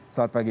ya terima kasih